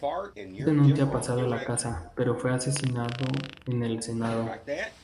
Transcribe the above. Esto enuncia pasado la Casa pero fue asesinado en el Senado.